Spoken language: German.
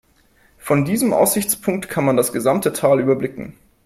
Von diesem Aussichtspunkt kann man das gesamte Tal überblicken.